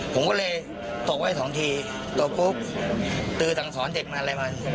ผมก็เลยตบไว้สองทีตบปุ๊บตือสั่งสอนเด็กมันอะไรมัน